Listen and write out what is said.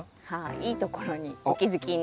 いいところにお気付きになりました。